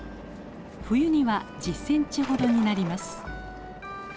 冬には１０センチほどになります。